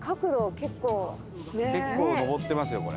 結構上ってますよこれ。